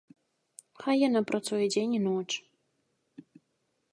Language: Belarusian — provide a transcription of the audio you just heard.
Хай яна працуе дзень і ноч.